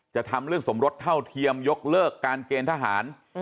จะทำเรื่องสมรสเท่าเทียมยกเลิกการเกณฑ์ทหาร